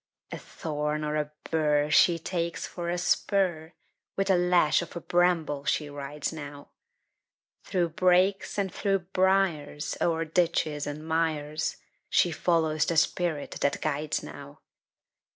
A thorn or a bur She takes for a spur; With a lash of a bramble she rides now, Through brakes and through briars, O'er ditches and mires, She follows the spirit that guides now.